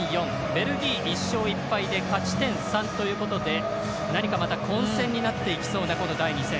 ベルギー１勝１敗で勝ち点３ということで何か、混戦になっていきそうな第２戦。